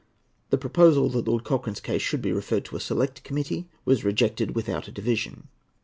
The proposal that Lord Cochrane's case should be referred to a Select Committee was rejected without a division.